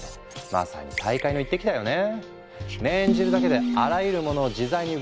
まさに大海の一滴だよね。